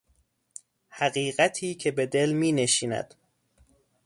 حقیقتی که به دل مینشیند